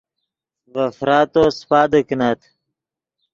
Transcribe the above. ڤے فراتو سیپادے کینت